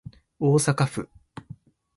大阪府